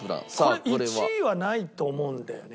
これ１位はないと思うんだよね。